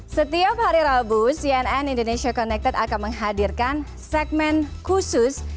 setiap hari rabu cnn indonesia connected akan menghadirkan segmen khusus